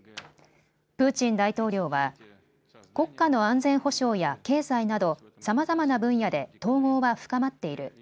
プーチン大統領は国家の安全保障や経済などさまざまな分野で統合は深まっている。